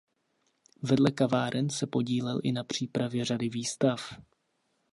Vedle kaváren se podílel i na přípravě řady výstav.